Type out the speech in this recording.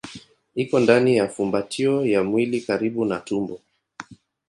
Iko ndani ya fumbatio ya mwili karibu na tumbo.